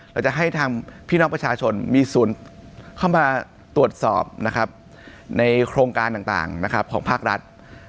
เราจะให้ทางพี่น้องประชาชนมีศูนย์เข้ามาตรวจสอบนะครับในโครงการต่างนะครับของภาครัฐ